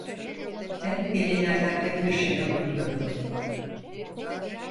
Ben bu yenilerden pek bir şey anlamıyordum.